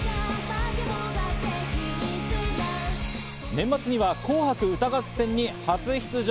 年末には『紅白歌合戦』に初出場。